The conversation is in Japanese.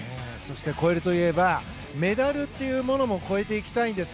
そして、超えるといえばメダルというものを超えていきたいです。